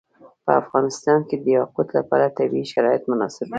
په افغانستان کې د یاقوت لپاره طبیعي شرایط مناسب دي.